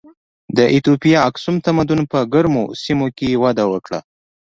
د ایتوپیا اکسوم تمدن په ګرمو سیمو کې وده وکړه.